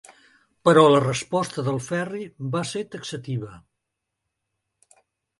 Però la resposta del Ferri va ser taxativa.